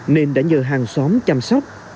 nên đã nhờ hàng xóm chăm sóc